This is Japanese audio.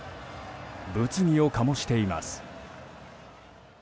物議を醸しています。